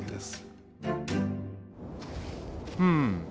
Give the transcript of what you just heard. うん。